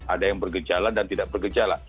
ada yang bergejala dan tidak bergejala